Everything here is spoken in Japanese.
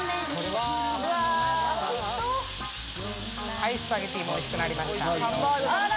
はいスパゲティもおいしくなりました。